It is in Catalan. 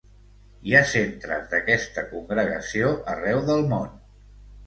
Hi ha centres d'aquesta congregació arreu del món.